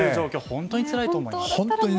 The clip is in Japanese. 本当につらいと思います。